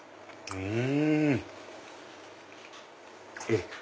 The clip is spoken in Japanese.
うん。